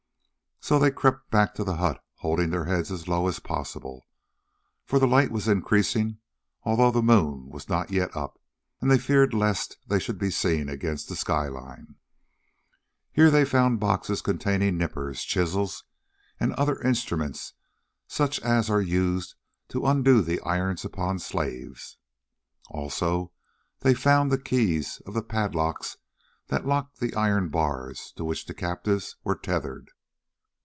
So they crept back to the hut, holding their heads as low as possible, for the light was increasing, although the moon was not yet up, and they feared lest they should be seen against the sky line. Here they found boxes containing nippers, chisels, and other instruments such as are used to undo the irons upon slaves. Also they found the keys of the padlocks that locked the iron bars to which the captives were tethered.